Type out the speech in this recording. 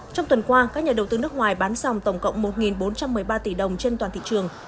trong tuần qua các nhà đầu tư nước ngoài bán dòng tổng cộng một bốn trăm một mươi ba tỷ đồng trên toàn thị trường